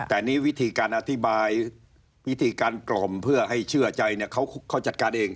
แต่นี่วิธีการอธิบายวิธีการกล่อมเพื่อให้เชื่อใจเนี่ยเขาจัดการเอง